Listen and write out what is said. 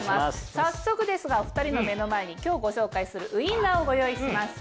早速ですがお２人の目の前に今日ご紹介するウインナーをご用意しました。